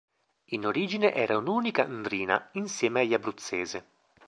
In origine era un'unica ndrina insieme agli Abruzzese.